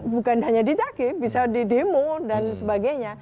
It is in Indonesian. bukan hanya ditagih bisa di demo dan sebagainya